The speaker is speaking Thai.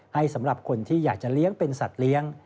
สำหรับคนที่อยากจะเลี้ยงเป็นสัตว์เลี้ยง